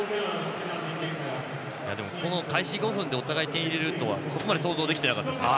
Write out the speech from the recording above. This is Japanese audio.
でも開始５分でお互い、点を入れるとはそこまで想像できてなかったですね。